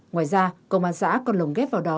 ngoài ra công an xã còn lồng ghép vào đó